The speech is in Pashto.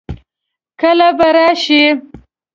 کله به راشي؟